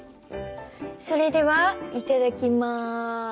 それではいただきま。